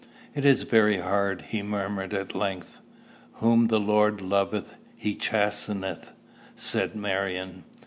"It is very hard," he murmured at length. "Whom the Lord loveth he chasteneth," said Marion.